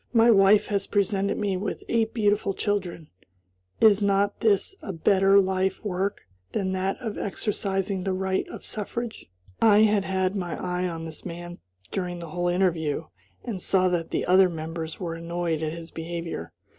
My wife has presented me with eight beautiful children; is not this a better life work than that of exercising the right of suffrage?" I had had my eye on this man during the whole interview, and saw that the other members were annoyed at his behavior.